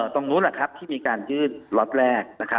ตรงนู้นแหละครับที่มีการยื่นล็อตแรกนะครับ